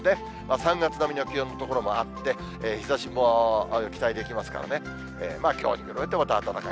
３月並みの気温の所もあって、日ざしも期待できますからね、きょうに比べるとだいぶ暖かい。